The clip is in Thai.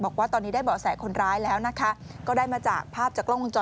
บอกว่าตอนนี้ได้เบาะแสคนร้ายแล้วนะคะก็ได้มาจากภาพ